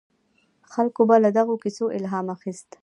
خلکو به له دغو کیسو الهام اخیست.